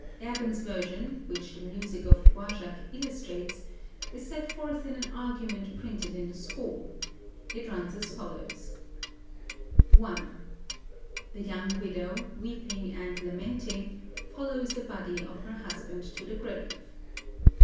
Erben's version, which the music of Dvořák illustrates, is set forth in an argument printed in the score. It runs as follows: I "The young widow, weeping and lamenting, follows the body of her husband to the grave.